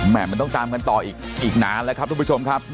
แมนต้องตามกันต่ออีกหน้าแหละครับคุณผู้ชมครับ